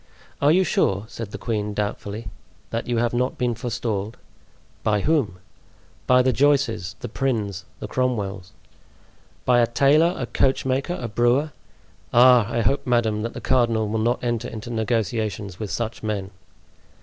"Are you sure," said the queen doubtfully, "that you have not been forestalled?" "By whom?" "By the Joices, the Prinns, the Cromwells?" "By a tailor, a coachmaker, a brewer! Ah! I hope, madame, that the cardinal will not enter into negotiations with such men!"